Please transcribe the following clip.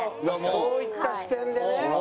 そういった視点でね。